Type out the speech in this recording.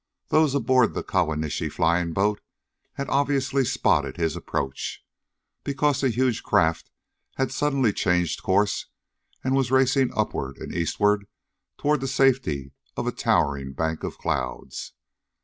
Those aboard the Kawanishi flying boat had obviously spotted his approach, because the huge craft had suddenly changed course and was racing upward and eastward toward the safety of a towering bank of clouds.